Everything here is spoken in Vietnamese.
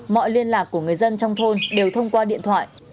mọi liên lạc của người dân trong thôn đều thông qua điện thoại